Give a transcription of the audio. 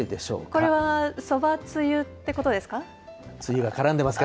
これはそばつゆってことですか。